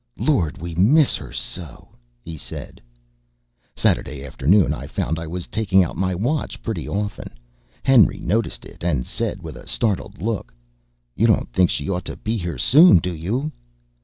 "Lord, we miss her so!" he said. Saturday afternoon I found I was taking out my watch pretty often. Henry noticed it, and said, with a startled look: "You don't think she ought to be here soon, do you?"